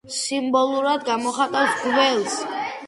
სიმბოლურად გამოხატავს გველს.